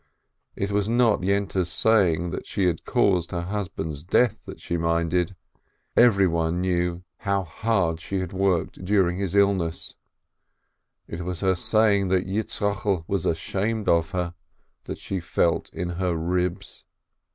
It was not Yente's saying that she had caused her husband's death that she minded, for everyone knew how hard she had 516 ASCH worked during his illness, it was her saying that Yitz chokel was ashamed of her, that she felt in her "ribs."